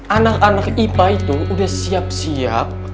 anak anak ipa itu sudah siap siap